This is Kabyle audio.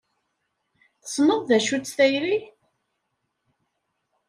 Tessneḍ d acu-tt tayri?